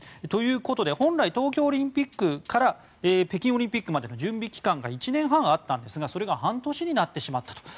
ということで本来、東京オリンピックから北京オリンピックまでの準備期間が１年半あったんですがそれが半年になってしまった。